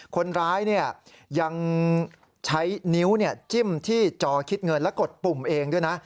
คนร้ายยังใช้นิ้วจิ้มที่จอคิดเงินและกดปุ่มเองด้วยนะ